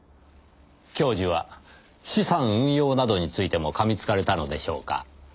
教授は資産運用などについても噛みつかれたのでしょうか？